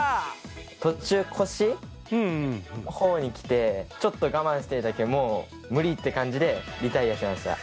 途中腰のほうに来てちょっと我慢していたけどもう無理って感じでリタイアしました。